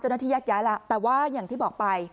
เจ้าหน้าที่แยกย้ายแล้วแต่ว่าอย่างที่บอกไป